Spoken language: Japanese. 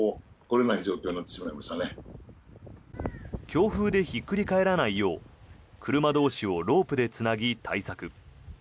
強風でひっくり返らないよう車同士をロープでつなぎ、対策。